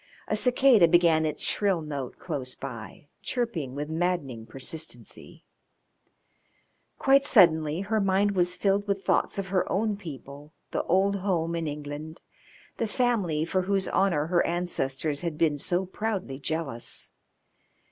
A cicada began its shrill note close by, chirping with maddening persistency. Quite suddenly her mind was filled with thoughts of her own people, the old home in England, the family for whose honour her ancestors had been so proudly jealous.